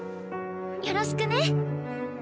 よろしくね。